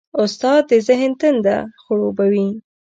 استاد د ذهن تنده خړوبوي.